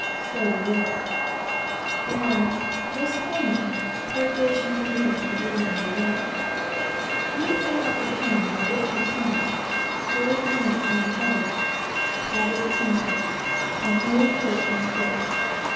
stowed away; and, this morning, preparations were made for getting under weigh. We paid out on the chain by which we swung; hove in on the other; catted the anchor; and hove short on the first.